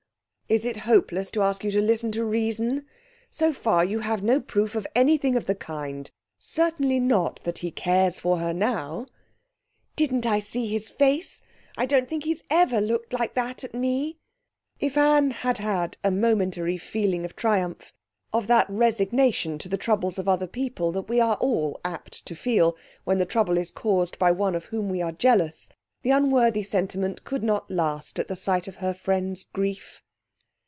'Is it hopeless to ask you to listen to reason? So far you have no proof of anything of the kind. Certainly not that he cares for her now.' 'Didn't I see his face? I don't think he's ever looked like that at me.' If Anne had had a momentary feeling of triumph, of that resignation to the troubles of other people that we are all apt to feel when the trouble is caused by one of whom we are jealous, the unworthy sentiment could not last at the sight of her friend's grief.